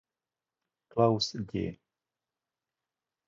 Claus Gy.